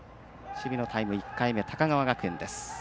守備のタイム１回目、高川学園。